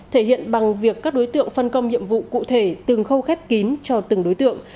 thể hiện bằng việc các đối tượng phân công nhiệm vụ cụ thể từng khâu khép kín cho từng đối tượng